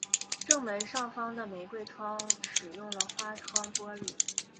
正门上方的玫瑰窗使用了花窗玻璃。